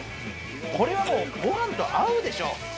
これはもう、ご飯と合うでしょう。